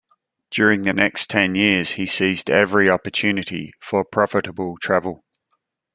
During the next ten years he seized every opportunity for profitable travel.